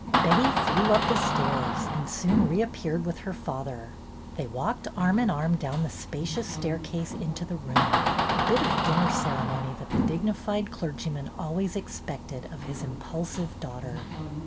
Betty flew up the stairs and soon reappeared with her father. They walked arm in arm down the spacious staircase into the room, a bit of dinner ceremony that the dignified clergyman always expected of his impulsive daughter.